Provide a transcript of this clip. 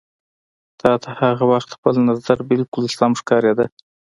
تا ته هغه وخت خپل نظر بالکل سم ښکارېده.